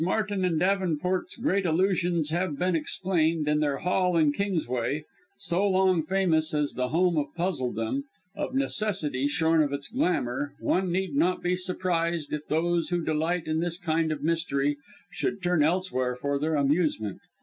Martin and Davenport's great Illusions have been explained and their Hall in Kingsway, so long famous as the Home of Puzzledom, of necessity shorn of its glamour, one need not be surprised if those who delight in this kind of mystery, should turn elsewhere for their amusement.